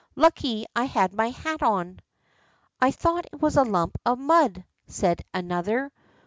Lucky I had my hat on.' ' I thought it was a lump of mud,' said an other.